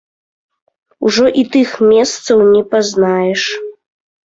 Ужо і тых месцаў не пазнаеш.